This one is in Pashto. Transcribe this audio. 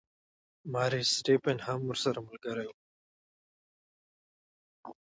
ماري سټیفن هم ورسره ملګرې وه.